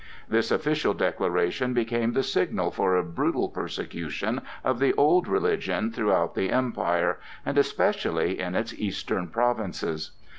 This official declaration became the signal for a brutal persecution of the old religion throughout the Empire, and especially in its eastern provinces.